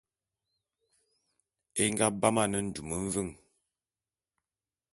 É nga bam ane ndum mveng.